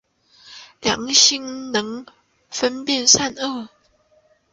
良心能分辨善恶。